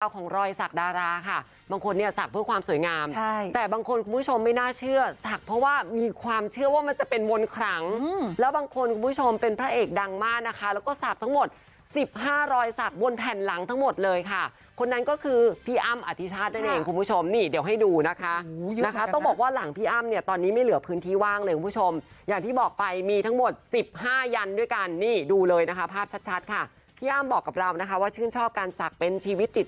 ของรอยสักดาราค่ะบางคนเนี่ยสักเพื่อความสวยงามใช่แต่บางคนคุณผู้ชมไม่น่าเชื่อสักเพราะว่ามีความเชื่อว่ามันจะเป็นวนครั้งแล้วบางคนคุณผู้ชมเป็นพระเอกดังมากนะคะแล้วก็สักทั้งหมดสิบห้ารอยสักบนแผ่นหลังทั้งหมดเลยค่ะคนนั้นก็คือพี่อ้ำอธิชาตินั่นเองคุณผู้ชมนี่เดี๋ยวให้ดูนะคะนะคะต้องบอกว่าหลังพี่อ้ำเนี่